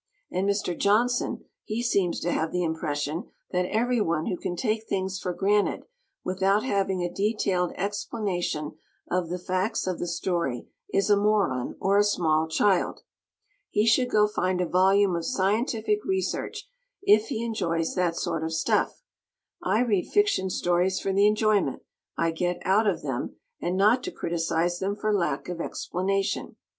And Mr. Johnson he seems to have the impression that everyone who can take things for granted without having a detailed explanation of the facts of the story is a moron or a small child. He should go find a volume of scientific research if he enjoys that sort of stuff. I read fiction stories for the enjoyment I get out of them and not to criticize them for lack of explanation.